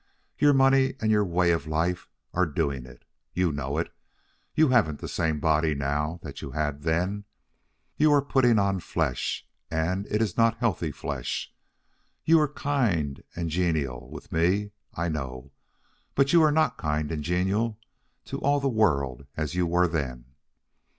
Your money and your way of life are doing it. You know it. You haven't the same body now that you had then. You are putting on flesh, and it is not healthy flesh. You are kind and genial with me, I know, but you are not kind and genial to all the world as you were then.